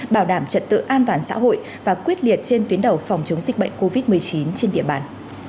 bảo đảm trật tự an toàn xã hội và quyết liệt trên tuyến đầu phòng chống dịch bệnh covid một mươi chín trên địa bàn